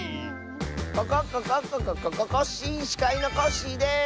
ココッココッコココココッシー！しかいのコッシーです！